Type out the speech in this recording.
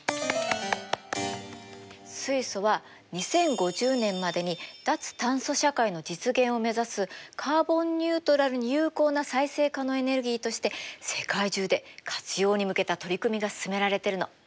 水素は２０５０年までに脱炭素社会の実現を目指すカーボンニュートラルに有効な再生可能エネルギーとして世界中で活用に向けた取り組みが進められてるの。